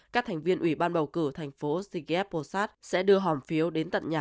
các thành viên ủy ban bầu cử thành phố zygev posad sẽ đưa hỏng phiếu đến tận nhà